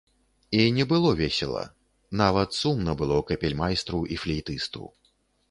І не было весела, нават сумна было капельмайстру і флейтысту.